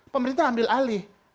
pemerintah ambil alih